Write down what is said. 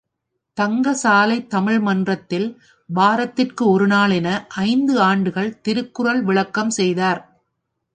தங்கசாலைத் தமிழ்மன்றத்தில் வாரத்திற்கு ஒருநாள் என ஐந்து ஆண்டுகள் திருக்குறள் விளக்கம் செய்தார்.